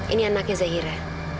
ini anaknya zahira